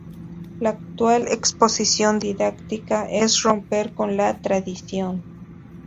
La actual exposición didáctica es "Romper con la tradición.